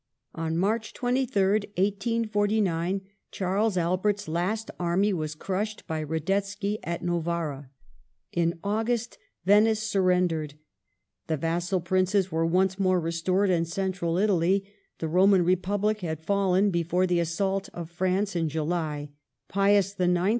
On March 23rd, 1849, Charles Albert's last army was crushed by Radetsky at Novara ; in August, Venice suiTendered ; the vassal Princes were once more restored in Central Italy ; the Roman Republic had fallen before the assault of France in July ; Pius IX.